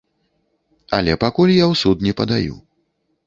Але пакуль я ў суд не падаю.